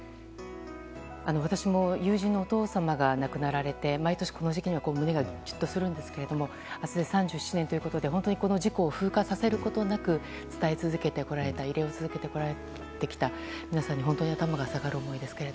私も友人のお父様が亡くなられて毎年この時期には胸がギュっとするんですが明日で３７年ということでこの事故を風化させることなく伝え続けてこられた慰霊し続けてきた皆さんに本当に頭が下がる思いですが。